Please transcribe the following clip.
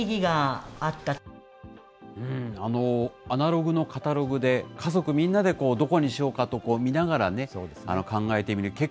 アナログのカタログで、家族みんなでどこにしようかと、こう、見ながらね、考えてみる。